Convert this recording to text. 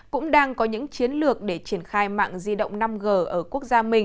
cũng đang có những chiến lược để triển khai mạng di động năm g